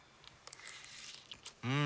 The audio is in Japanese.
うん！